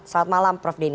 selamat malam prof deni